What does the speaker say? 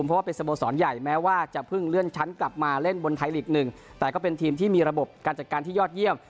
เพราะว่าเป็นสโมสรใหญ่แม้ว่าจะเพิ่งเลื่อนชั้นกลับมาเล่นบนไทยลีกหนึ่งแต่ก็เป็นทีมที่มีระบบการจัดการที่ยอดเยี่ยม